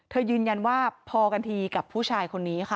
ยืนยันว่าพอกันทีกับผู้ชายคนนี้ค่ะ